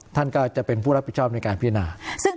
ท่านก็จะเป็นผู้รับผิดชอบในการพินา